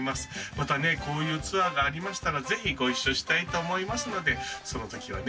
またねこういうツアーがありましたらぜひご一緒したいと思いますのでそのときはね